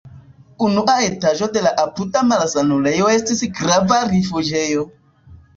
Unua etaĝo de la apuda malsanulejo estis grava rifuĝejo.